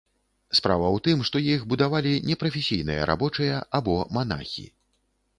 Справа ў тым, што іх будавалі непрафесійныя рабочыя або манахі.